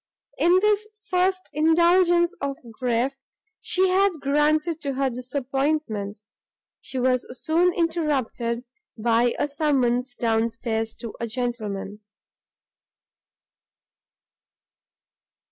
In this first indulgence of grief which she had granted to her disappointment, she was soon interrupted by a summons down stairs to a gentleman.